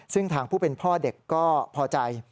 ซึ่งทางผู้เป็นพ่อเด็กก็พอใจ